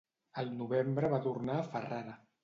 Al novembre va tornar a Ferrara.